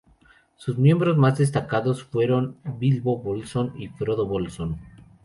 Sus miembros más destacados fueron Bilbo Bolsón y Frodo Bolsón.